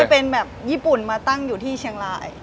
เป็นแบบญี่ปุ่นมาตั้งอยู่ที่เชียงราย